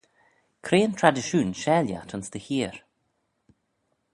Cre yn tradishoon share lhiat ayns dty heer?